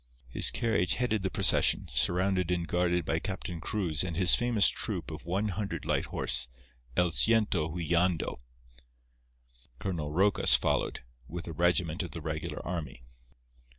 His carriage headed the procession, surrounded and guarded by Captain Cruz and his famous troop of one hundred light horse "El Ciento Huilando." Colonel Rocas followed, with a regiment of the regular army.